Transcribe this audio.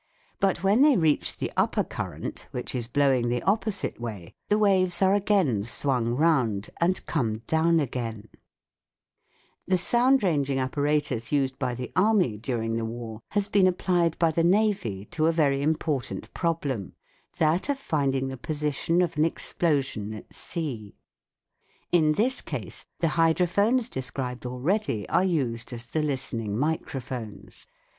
But when they reach the upper current, which is blowing the opposite way, the waves are again swung round and come down again. SOUND IN WAR 191 The sound ranging apparatus used by the Army during the War has been applied by the Navy to a very important problem, that of finding the position of an explosion at sea . In this case the hydrophones .described already are used as the listening micro phones.